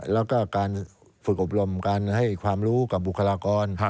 แล้วก็การฝึกอบรมการให้ความรู้กับบุคลากร